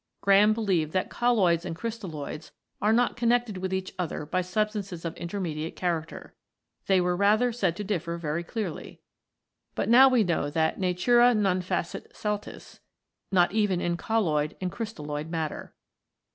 Graham believed that colloids and crystalloids are not connected with each other by substances of intermediate character. They were rather said 22 COLLOIDS IN PROTOPLASM to differ very clearly. But now we know that Natura non facit saltus, not even in colloid and crystalloid matter.